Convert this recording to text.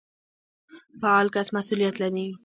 فعال کس مسوليت اخلي.